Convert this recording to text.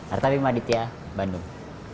artabi maditya bandung